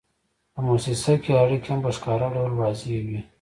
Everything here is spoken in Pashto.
په موسسه کې اړیکې هم په ښکاره ډول واضحې وي.